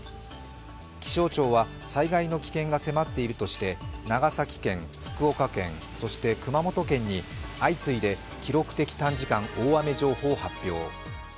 気象庁は災害の危険が迫っているとして長崎県、福岡県、そして熊本県に相次いで記録的短時間大雨情報を発表。